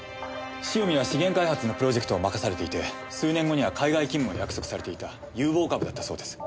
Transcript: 汐見は資源開発のプロジェクトを任されていて数年後には海外勤務を約束されていた有望株だったそうです。